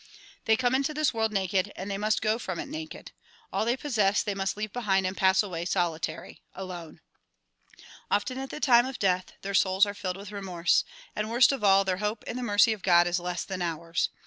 They come into this world naked and they must go from it naked. All they possess they must leave behind and pass away solitary, alone. Often at the time of death their souls are filled with remorse, and worst of all, their hope in the mercy of God is less than ours.